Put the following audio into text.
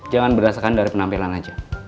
jangan berdasarkan dari penampilan aja